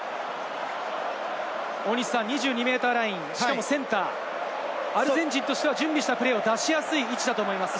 大西さん、２２ｍライン、しかもセンター、アルゼンチンとしては準備したプレーを出しやすい位置だと思います。